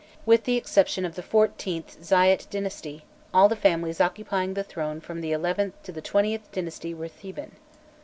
With the exception of the XIVth Xoïte dynasty, all the families occupying the throne from the XIth to the XXth dynasty were Theban.